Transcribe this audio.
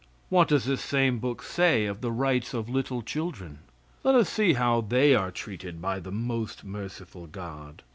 What does this same book say of the rights of little children? Let us see how they are treated by the "most merciful God."